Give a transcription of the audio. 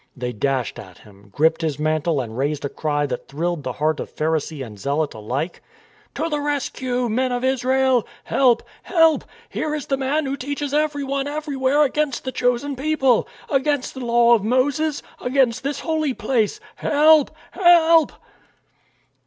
They dashed at him, gripped his mantle and raised a cry that thrilled the heart of Pharisee and Zealot alike. "To the rescue, Men of Israel! Help! Help! Here is the man who teaches everyone everywhere against the Chosen People, against the Law of Moses, against this Holy Place. Help ! Help